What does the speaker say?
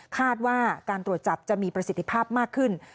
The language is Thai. คาดว่าการตรวจจับจะมีประสิทธิภาพมากขึ้น